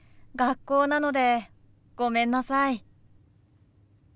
学校なのでごめんなさい。